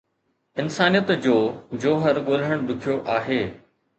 انسانيت جو جوهر ڳولڻ ڏکيو آهي.